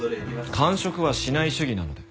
間食はしない主義なので。